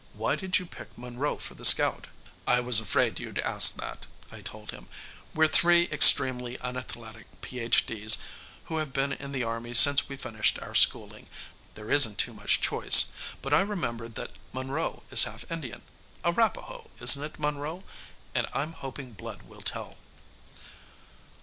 "Why did you pick Monroe for the scout?" "I was afraid you'd ask that," I told him. "We're three extremely unathletic Ph.D.s who have been in the Army since we finished our schooling. There isn't too much choice. But I remembered that Monroe is half Indian Arapahoe, isn't it, Monroe? and I'm hoping blood will tell."